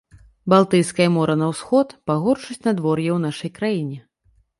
Балтыйскае мора на ўсход, пагоршыць надвор'е ў нашай краіне.